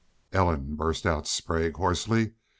"Ellen!" burst out Sprague, hoarsely.